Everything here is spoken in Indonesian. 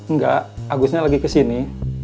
nggak agusnya lagi kesini